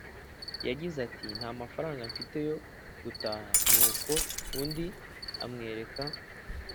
yagize ati Nta mafaranga mfite yo gutaha nuko undi amwereka